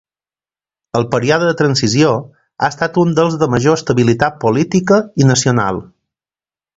El període de transició ha estat un dels de major estabilitat política i nacional.